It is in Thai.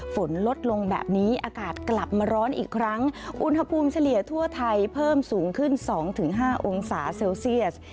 ฝนลดลงแบบนี้อากาศกลับมาร้อนอีกครั้งอุณหภูมิเฉลี่ยทั่วไทยเพิ่มสูงขึ้น๒๕องศาเซลเซียส